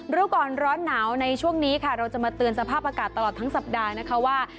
รู้ก่อนร้อนหนาวในช่วงนี้ค่ะเราจะมาเตือนสภาพอากาศตลอดทั้งสัปดาห์นะคะว่า